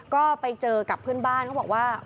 ก็ไปเจอกับเพื่อนบ้านเขาบอกว่า